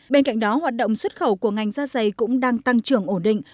bên cạnh đó hoạt động xuất khẩu của ngành da dày cũng đang tăng trưởng ổn định